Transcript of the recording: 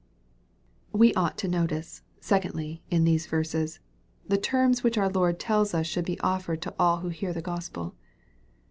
We ought to notice, secondly, in these verses, the terms which our Lord tells us should be offered to all who hear the Gospel.